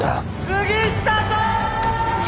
杉下さーん！